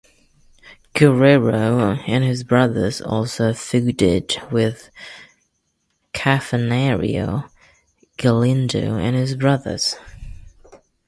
Guerrero and his brothers also feuded with Cavernario Galindo and his brothers.